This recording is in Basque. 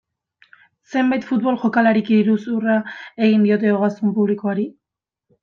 Zenbait futbol jokalarik iruzurra egin diote ogasun publikoari.